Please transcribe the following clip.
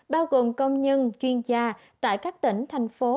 bao gồm công nhân chuyên gia tại các tỉnh thành phố